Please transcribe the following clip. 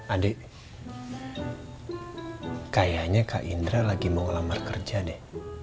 adik kayaknya kak indra lagi mau ngelamar kerja deh